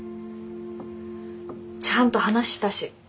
ちゃんと話したし。